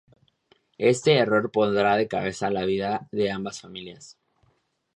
Este error pondrá de cabeza la vida de ambas familias.